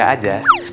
nanti aku dateng